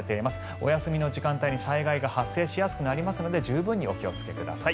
お休みの時間帯に災害が発生しやすくなりますので十分にお気をつけください。